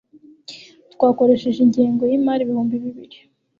Twakoresheje ingengo yimari ibihumbi bibiri